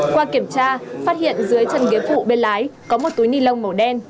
qua kiểm tra phát hiện dưới chân ghế phụ bên lái có một túi ni lông màu đen